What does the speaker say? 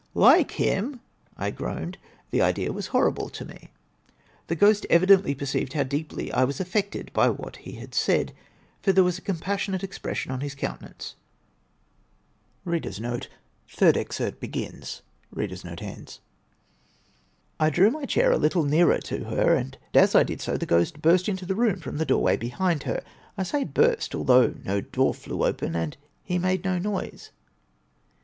"Like him!" I groaned. The idea was horrible to me. The ghost evidently perceived how deeply I was affected by what he had said, for there was a compassionate expression on his countenance. I drew my chair a little nearer to her, and as I did so the ghost burst into the room from the doorway behind her. I say burst, although no door flew open and he made no noise.